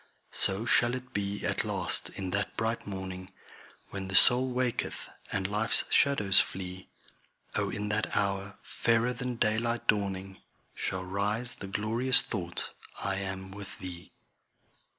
So shall it be at last in that bright morning, When the soul waketh, and life's shadows flee; O in that hour, fairer than daylight dawning, Shall rise the glorious thought I am with Thee.